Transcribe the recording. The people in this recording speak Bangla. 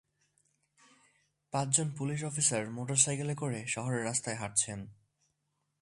পাঁচ জন পুলিশ অফিসার মোটরসাইকেলে করে শহরের রাস্তায় হাঁটছেন।